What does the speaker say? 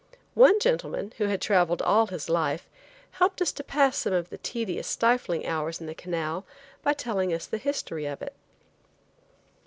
One gentleman, who had traveled all his life, helped us to pass some of the tedious, stifling hours in the canal by telling us the history of it.